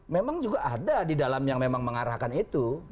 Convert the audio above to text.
memang juga ada di dalam yang memang mengarahkan itu